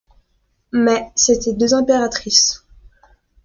Mais c'étaient deux impératrices.